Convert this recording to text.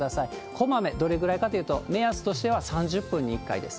こまめ、どれぐらいかというと、目安としては３０分に１回です。